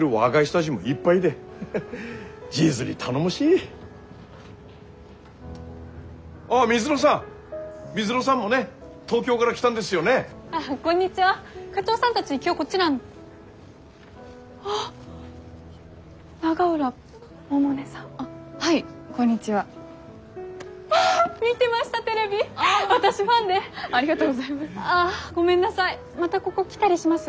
ああごめんなさいまたここ来たりします？